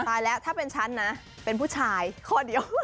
ตายแล้วถ้าเป็นฉันนะเป็นผู้ชายข้อเดียว